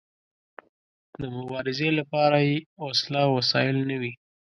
د مبارزې لپاره يې وسله او وسايل نه وي.